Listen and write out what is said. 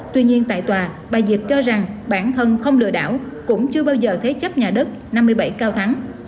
tuy nhiên tại tòa bà diệp cho rằng bản thân không lừa đảo cũng chưa bao giờ thế chấp nhà đất năm mươi bảy cao thắng